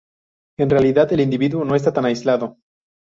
En realidad el individuo no está tan aislado.